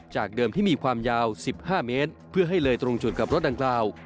เดิมที่มีความยาว๑๕เมตรเพื่อให้เลยตรงจุดกับรถดังกล่าว